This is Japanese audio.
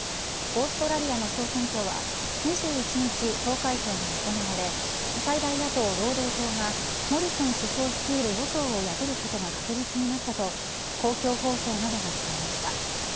オーストラリアの総選挙は２１日投開票が行われ最大野党、労働党がモリソン首相率いる与党を破ることが確実になったと公共放送などが伝えました。